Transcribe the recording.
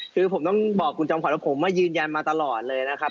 คือผมต้องบอกคุณจอมขวัญว่าผมมายืนยันมาตลอดเลยนะครับ